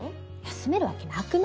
休めるわけなくない？